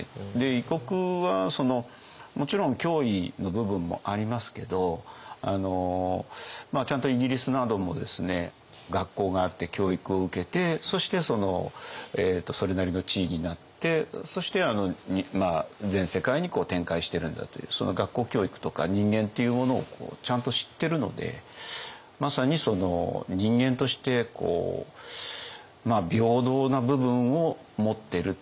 異国はもちろん脅威の部分もありますけどちゃんとイギリスなどもですね学校があって教育を受けてそしてそれなりの地位になってそして全世界に展開してるんだという学校教育とか人間っていうものをちゃんと知ってるのでまさに人間として平等な部分を持ってるっていうか